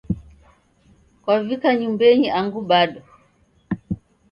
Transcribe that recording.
Kwavika nyumbenyi angu bado.